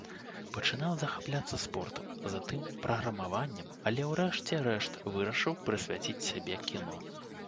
Пачынаў захапляцца спортам, затым праграмаваннем, але ўрэшце рэшт вырашыў прысвяціць сябе кіно.